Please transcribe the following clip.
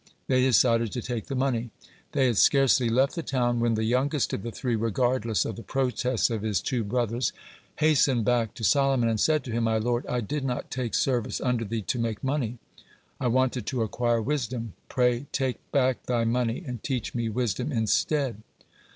They decided to take the money. They had scarcely left the town when the youngest of the three, regardless of the protests of his two brothers, hastened back to Solomon and said to him: "My lord, I did not take service under thee to make money; I wanted to acquire wisdom. Pray, take back thy money, and teach me wisdom instead."